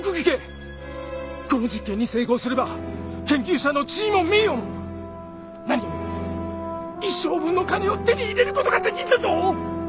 この実験に成功すれば研究者の地位も名誉も何よりも一生分の金を手に入れることができんだぞ！